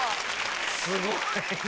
すごいね！